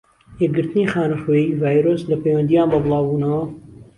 یەکگرتنی خانەخوێی-ڤایرۆس لە پەیوەندیان بە بڵاو بونەوە.